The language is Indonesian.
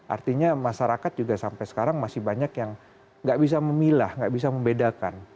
artinya masyarakat juga sampai sekarang masih banyak yang nggak bisa memilah nggak bisa membedakan